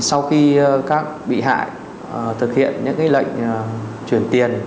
sau khi các bị hại thực hiện những lệnh chuyển tiền